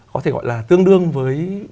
có thể gọi là tương đương với những cái kết quả